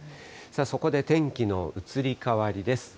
そこで天気の移り変わりです。